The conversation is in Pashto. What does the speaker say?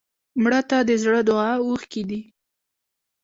مړه ته د زړه دعا اوښکې دي